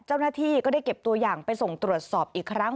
เจ้าหน้าที่ก็ได้เก็บตัวอย่างไปส่งตรวจสอบอีกครั้ง